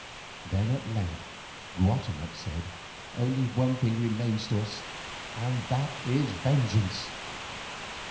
Then at length Guatemoc said, "Only one thing remains to us, and that is vengeance.